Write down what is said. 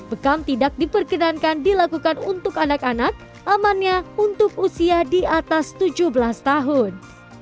bekam tidak diperkenankan dilakukan untuk anak anak amannya untuk usia di atas tujuh belas tahun